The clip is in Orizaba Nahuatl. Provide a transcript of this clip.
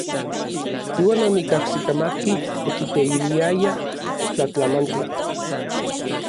Iuan onikajsikamatki okiteiliayaj tlatlamantli.